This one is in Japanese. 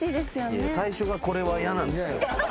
いや最初がこれは嫌なんですよ。